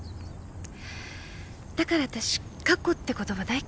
だからあたし「過去」って言葉大っ嫌い。